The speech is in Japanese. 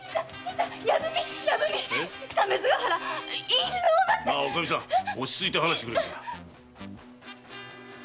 印籠が‼おかみさん落ち着いて話してくれ。